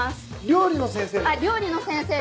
料理の先生？